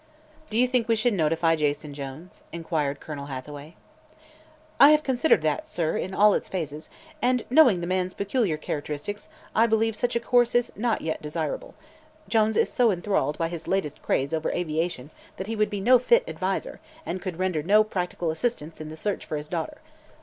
"Do you think we should notify Jason Jones?" inquired Colonel Hathaway. "I have considered that, sir, in all its phases, and knowing the man's peculiar characteristics I believe such a course is not as yet desirable. Jones is so enthralled by his latest craze over aviation that he would be no fit adviser and could render no practical assistance in the search for his daughter.